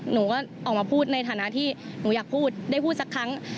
หนูก็ออกมาพูดในฐานะที่หนูอยากพูดได้พูดสักครั้ง